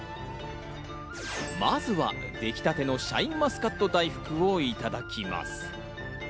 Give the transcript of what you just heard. まずは出来たてのシャインマスカット大福をいただきます。